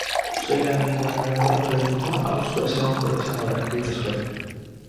Uztailean egin duen errekorra berdinduta, abuztua ezegonkorra izango da, ekaitz askorekin.